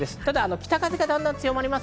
北風がだんだん強まります。